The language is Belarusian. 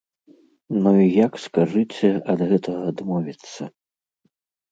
Ну і як, скажыце, ад гэтага адмовіцца?